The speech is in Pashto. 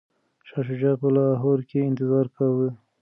شاه شجاع په لاهور کي انتظار کاوه.